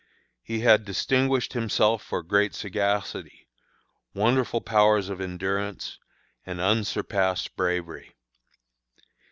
He had distinguished himself for great sagacity, wonderful powers of endurance, and unsurpassed bravery.